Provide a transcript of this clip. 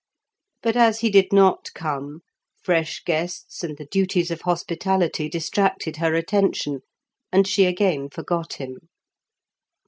But as he did not come, fresh guests and the duties of hospitality distracted her attention, and she again forgot him.